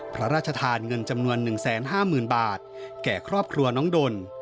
พระราชทานเงินจำนวน๑๕๐๐๐บาทแก่ครอบครัวน้องดน